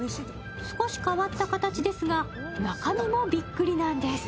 少し変わった形ですが、中身もびっくりなんです。